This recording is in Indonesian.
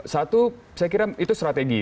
satu saya kira itu strategi